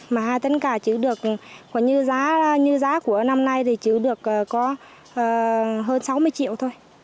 mà hai tấn cà chứ được như giá của năm nay thì chứ được có hơn sáu mươi triệu thôi